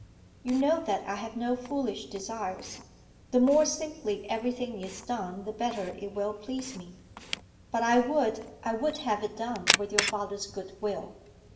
You know that I have no foolish desires; the more simply everything is done the better it will please me. But I would, I would have it done with your father's goodwill.